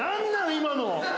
今の。